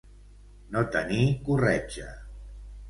No tenir corretja.